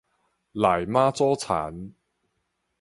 內媽祖田